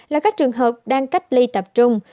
là các trường hợp đang cách ly tập trung